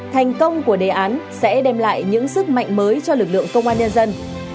thành công của đề án sẽ đem lại những sức mạnh mới cho lực lượng công an nhân dân